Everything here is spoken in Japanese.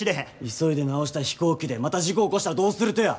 急いで直した飛行機でまた事故起こしたらどうするとや！